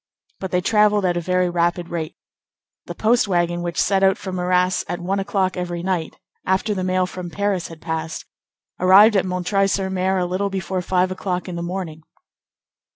But they travelled at a very rapid rate. The post wagon which set out from Arras at one o'clock every night, after the mail from Paris had passed, arrived at M. sur M. a little before five o'clock in the morning.